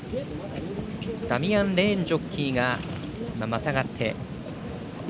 ダミアン・レーンジョッキーがまたがって。